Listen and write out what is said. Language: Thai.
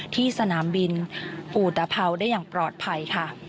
ที่สนามบินอูตะเภาได้อย่างปลอดภัย